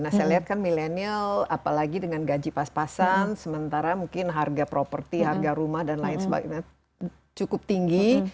nah saya lihat kan milenial apalagi dengan gaji pas pasan sementara mungkin harga properti harga rumah dan lain sebagainya cukup tinggi